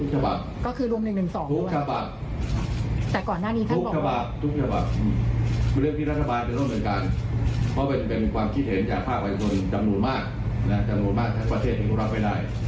สำหรับประเทศไปหาผู้ที่รับทราบไปได้